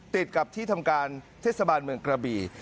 ติดกับที่ทำการเทศบาลเมืองกระบี่